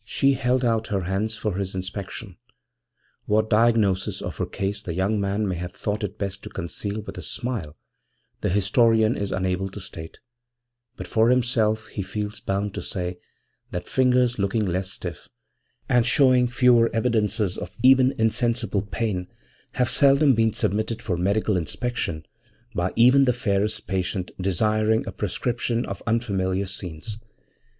She held out her hands for his inspection. What diagnosis of her case the young man may have thought it best to conceal with a smile the historian is unable to state, but for himself he feels bound to say that fingers looking less stiff, and showing fewer evidences of even insensible pain, have seldom been submitted for medical inspection by even the fairest patient desiring a prescription of unfamiliar scenes.